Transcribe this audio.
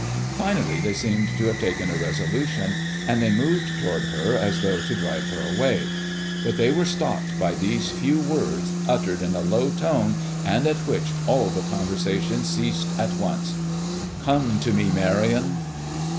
Finally they seemed to have taken a resolution, and they moved toward her as though to drive her away; but they were stopped by these few words, uttered in a low tone, and at which all the conversations ceased at once. "Come to me, Marion."